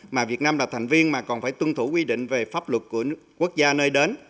mà việt nam là thành viên mà còn phải tuân thủ quy định về pháp luật của quốc gia nơi đến